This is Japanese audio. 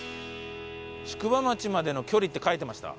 宿場町までの距離って書いてました？